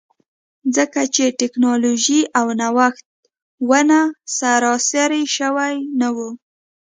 ځکه چې ټکنالوژي او نوښت ونه سراسري شوي نه وو.